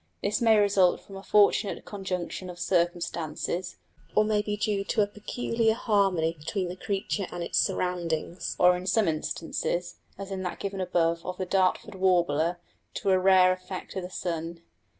This may result from a fortunate conjunction of circumstances, or may be due to a peculiar harmony between the creature and its surroundings; or in some instances, as in that given above of the Dartford warbler, to a rare effect of the sun.